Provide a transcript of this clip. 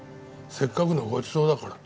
せっかくのごちそうだから。